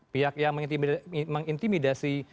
pihak yang mengintimidasi